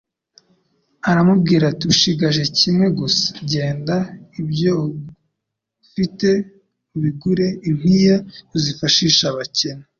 Aramubwira ati: «Ushigaje kimwe gusa, genda ibyo ufite ubigure impiya uzifashishe abakene;